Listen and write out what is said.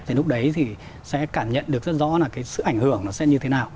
thì lúc đấy thì sẽ cảm nhận được rất rõ là cái sự ảnh hưởng nó sẽ như thế nào